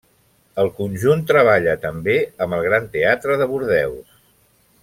El conjunt treballa també amb el Gran Teatre de Bordeus.